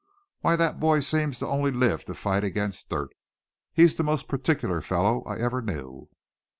"Why, that boy seems to only live to fight against dirt. He's the most particular fellow I ever knew."